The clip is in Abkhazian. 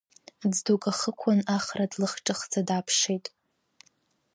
Ӡдук ахықәан Ахра длахҿыхӡа дааԥшит.